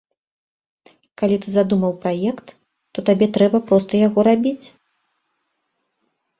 Калі ты задумаў праект, то табе трэба проста яго рабіць.